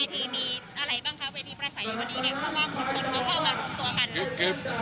เวทีประสัยวันนี้เพราะว่ามงชนพอก็มาพรุมตัวกัน